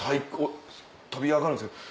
飛び上がるんですけど